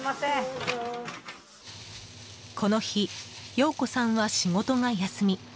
この日、洋子さんは仕事が休み。